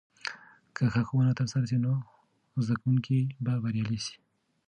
که ښه ښوونه ترسره سي، نو به زده کونکي بريالي سي.